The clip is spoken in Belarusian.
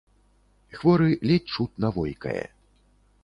Хворы ледзь чутна войкае.